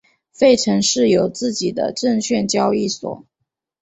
费城市有自己的证券交易所。